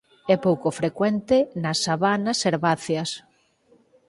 É pouco frecuente nas sabanas herbáceas.